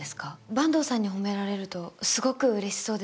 坂東さんに褒められるとすごくうれしそうですし。